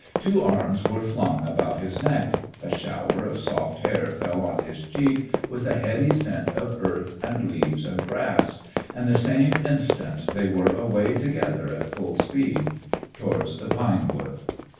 Two arms were flung about his neck, a shower of soft hair fell on his cheek with a heady scent of earth and leaves and grass, and the same instant they were away together at full speed towards the pine wood.